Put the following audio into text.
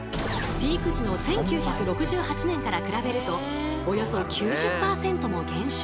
ピーク時の１９６８年から比べるとおよそ９０％も減少。